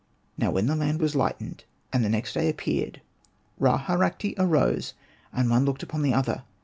Now when the land was lightened, and the next day appeared, Ra Harakhti arose, and one looked unto the other.